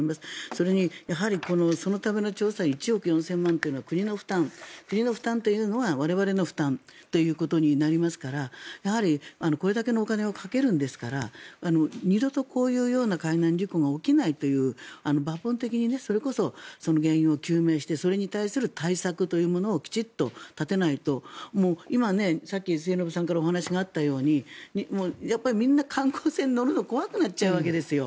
それに、そのための調査費１億４０００万円は国の負担国の負担というのは我々の負担ということになりますからこれだけのお金をかけるんですから二度とこういうような海難事故が起きないという、抜本的にそれこそ原因を究明してそれに対する対策というものをきちんと立てないと今、さっき末延さんからお話があったようにみんな観光船に乗るの怖くなっちゃうわけですよ。